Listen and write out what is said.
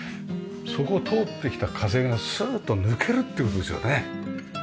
そこを通ってきた風がスーッと抜けるっていう事ですよね。